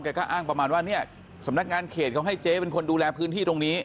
ก็อ้างประมาณว่าเนี่ยสำนักงานเขตเขาให้เจ๊เป็นคนดูแลพื้นที่ตรงนี้